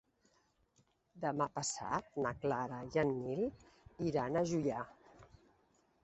Demà passat na Clara i en Nil iran a Juià.